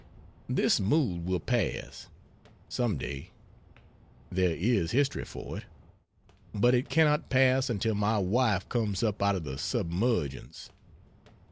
This mood will pass, some day there is history for it. But it cannot pass until my wife comes up out of the submergence.